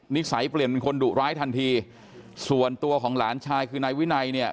นิสัยเปลี่ยนเป็นคนดุร้ายทันทีส่วนตัวของหลานชายคือนายวินัยเนี่ย